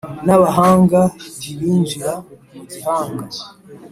N'abahanga ribinjira mu gihanga